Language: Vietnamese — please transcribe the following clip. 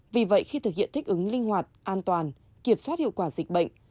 vì vậy khi thực hiện thích ứng linh hoạt an toàn kiểm soát hiệu quả dịch bệnh